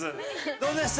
どうでした？